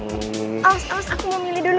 awas awas aku mau milih dulu neng